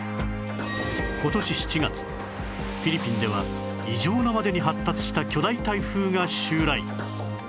今年７月フィリピンでは異常なまでに発達した巨大台風が襲来